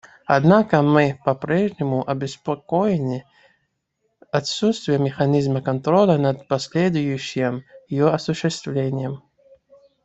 Однако мы попрежнему обеспокоены отсутствием механизма контроля над последующим ее осуществлением.